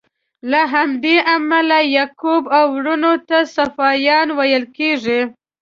له همدې امله یعقوب او وروڼو ته صفاریان ویل کیږي.